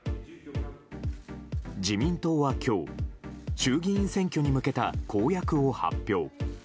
自民党は今日衆議院選挙に向けた公約を発表。